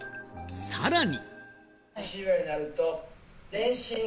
さらに。